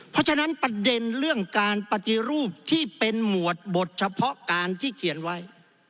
เพราะฉะนั้นประเด็นเรื่องการปฏิรูปที่เป็นหมวดบทเฉพาะการที่เขียนไว้